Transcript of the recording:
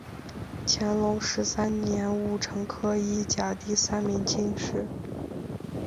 乾隆十三年戊辰科一甲第三名进士。